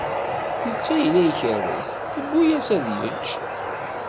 Netta yella ikerrez, tewwi-as ad yečč.